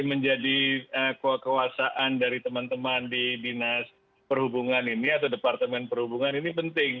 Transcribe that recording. jadi menjadi kekuasaan dari teman teman di binas perhubungan ini atau departemen perhubungan ini penting